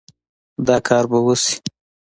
دا کار به وشي